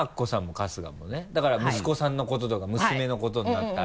だから息子さんのこととか娘のことになったら。